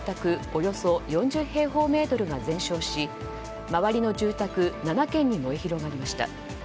およそ４０平方メートルが全焼し周りの住宅７軒に燃え広がりました。